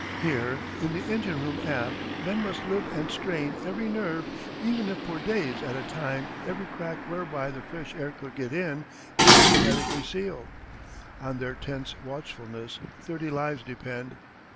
Here in the engine room aft men must live and strain every nerve even if for days at a time every crack whereby the fresh air could get in is hermetically sealed. On their tense watchfulness thirty lives depend.